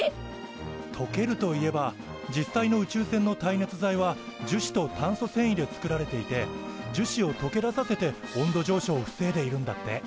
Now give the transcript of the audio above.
とけるといえば実際の宇宙船の耐熱材は樹脂と炭素繊維で作られていて樹脂をとけ出させて温度上昇を防いでいるんだって。